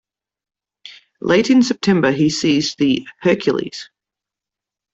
Late in September he seized the "Hercules".